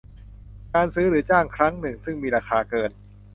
การซื้อหรือจ้างครั้งหนึ่งซึ่งมีราคาเกิน